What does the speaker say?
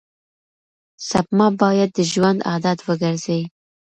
سپما باید د ژوند عادت وګرځي.